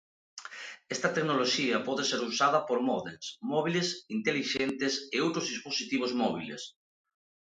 Esta tecnoloxía pode ser usada por módems, móbiles intelixentes e outros dispositivos móbiles.